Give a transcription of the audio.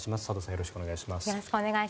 よろしくお願いします。